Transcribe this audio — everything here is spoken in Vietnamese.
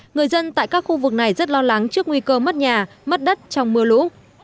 người dân tại các khu vực này rất lo lắng trước nguy cơ mất nhà mất đất trong mưa lũ